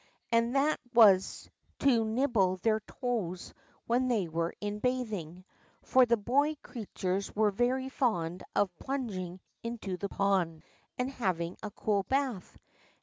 And that was to nibble their toes when they went in bathing. For the boy creatnres were very fond of plunging into the pond and having a cool bath.